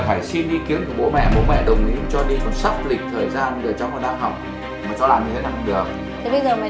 hãy cùng xem phản ứng mà chương trình đã ghi lại được